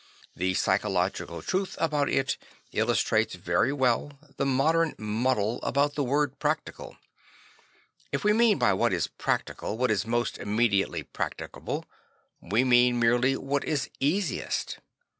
The psychological truth about it illustrates very well the modern muddle a bout the word H practical." If we mean by what is practical what is most immediatèly practicable, we mean merely what is easiest.